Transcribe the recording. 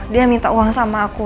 dia minta uang sama aku